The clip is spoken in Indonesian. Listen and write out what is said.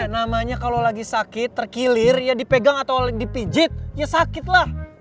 namanya kalau lagi sakit terkilir ya dipegang atau dipijit ya sakit lah